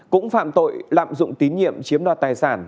cũng phạm tội lạm dụng tín nhiệm chiếm đoạt tài sản